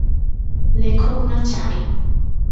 লেখক না ছাই!